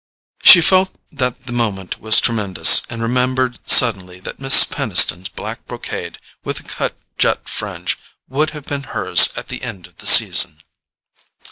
She felt that the moment was tremendous, and remembered suddenly that Mrs. Peniston's black brocade, with the cut jet fringe, would have been hers at the end of the season.